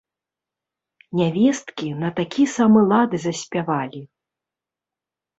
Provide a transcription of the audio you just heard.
Нявесткі на такі самы лад заспявалі.